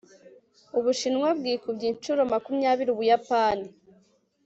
ubushinwa bwikubye inshuro makumyabiri ubuyapani